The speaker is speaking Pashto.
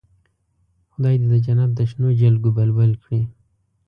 خدای دې د جنت د شنو جلګو بلبل کړي.